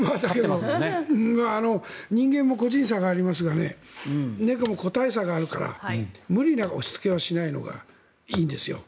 人間も個人差がありますが猫も個体差があるから無理な押しつけはしないのがいいんですよ。